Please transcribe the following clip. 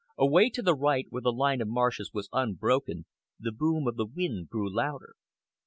Away to the right, where the line of marshes was unbroken, the boom of the wind grew louder.